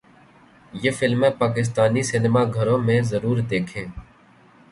یہ فلمیں پاکستانی سینما گھروں میں ضرور دیکھیں